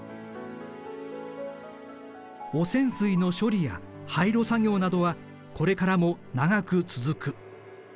汚染水の処理や廃炉作業などはこれからも長く続く。